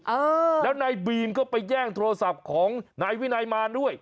เออแล้วนายบีมก็ไปแย่งโทรศัพท์ของนายวินัยมารด้วย